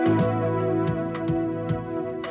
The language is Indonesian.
dia sampai serang encounters